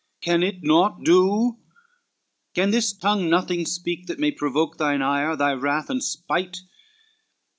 Can it naught do? can this tongue nothing speak That may provoke thine ire, thy wrath and spite?"